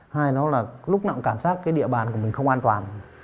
hai đó là lúc nào cũng cảm giác địa bàn của mình không an toàn